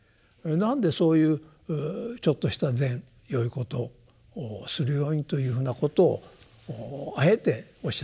なんでそういうちょっとした善よいことをするようにというふうなことをあえておっしゃっていたのか。